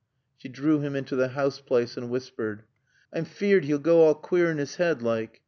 She drew him into the house place, and whispered. "I'm feared 'e'll goa queer in 'is 'head, like.